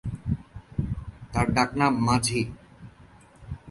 তাঁর ডাক নাম মাঝি।